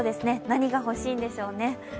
何が欲しいんでしょうね。